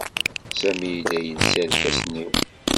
Sami yella yelsa irkasen-iw.